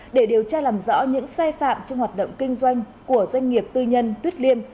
để điều tra làm rõ những sai phạm trong hoạt động kinh doanh của doanh nghiệp tư nhân tuyết liêm